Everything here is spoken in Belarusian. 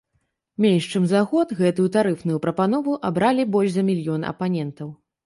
Менш чым за год гэту тарыфную прапанову абралі больш за мільён абанентаў.